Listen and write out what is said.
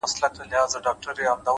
مثبت ذهن نوې دروازې ویني!